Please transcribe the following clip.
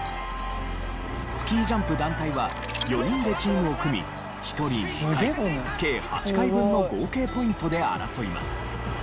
スキー・ジャンプ団体は４人でチームを組み１人２回計８回分の合計ポイントで争います。